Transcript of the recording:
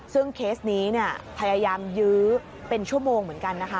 ซึ่งเคสนี้พยายามยื้อเป็นชั่วโมงเหมือนกันนะคะ